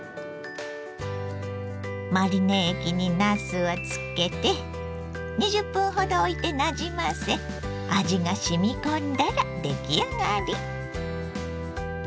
マリネ液になすをつけて２０分ほどおいてなじませ味がしみこんだら出来上がり。